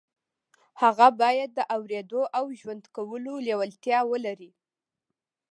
هغه بايد د اورېدو او ژوند کولو لېوالتیا ولري.